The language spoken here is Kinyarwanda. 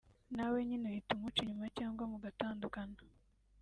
Nawe nyine uhita umuca inyuma cyangwa mugatandukana